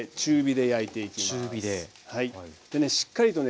でねしっかりとね